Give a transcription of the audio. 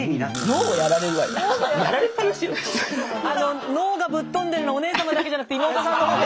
脳がぶっ飛んでるのはお姉様だけじゃなくて妹さんの方も。